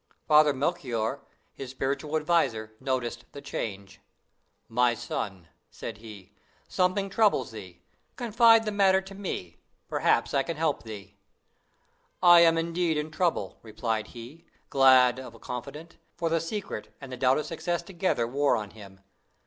Father Melchoir, his spiritual adviser, noticed the change. "My son," said he, "something troubles thee; confide the matter to me; perhaps I can help thee." "I am indeed in trouble," replied he, glad of a confidant, for the secret and the doubt of success together wore on him.